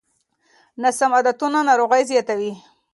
ناسم عادتونه ناروغۍ زیاتوي.